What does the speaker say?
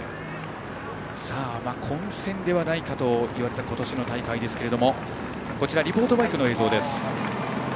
混戦ではないかといわれた今年の大会ですけどもリポートバイクの映像です。